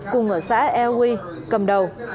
cùng ở xã e hà leo cầm đầu